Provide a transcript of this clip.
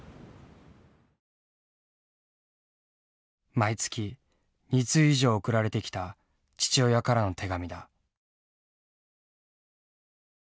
毎月２通以上送られてきた父親からの手紙だ。